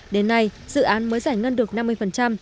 đến nay dự án mới giải ngân được năm mươi